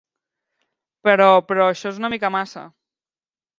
Però, però això és una mica massa.